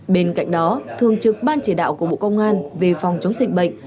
bên cạnh đó thường trực ban chỉ đạo của bộ công an về phòng chống dịch bệnh